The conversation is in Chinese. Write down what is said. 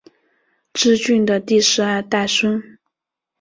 挚峻的第十二代孙。